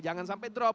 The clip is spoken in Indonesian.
jangan sampai drop